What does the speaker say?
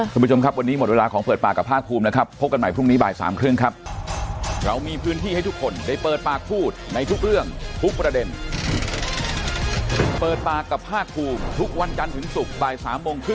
ขอบคุณครับขอบคุณค่ะคุณผู้ชมครับวันนี้หมดเวลาของเปิดปากกับภาคภูมินะครับ